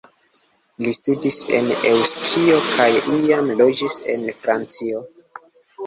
Li studis en Eŭskio kaj iam loĝis en Francio.